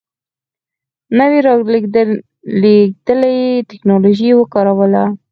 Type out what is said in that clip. نوې رالېږدېدلې ټکنالوژي یې وکاروله.